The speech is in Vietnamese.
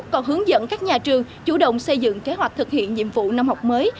còn hướng dẫn các nhà trường chủ động xây dựng kế hoạch thực hiện nhiệm vụ năm học mới